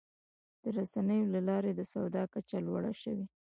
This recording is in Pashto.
د رسنیو له لارې د سواد کچه لوړه شوې.